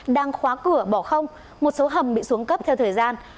đang khóa cửa bỏ không một số hầm bị xuống cấp theo thời gian